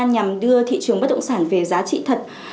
nhằm đưa thị trường bất động sản về giá trị thật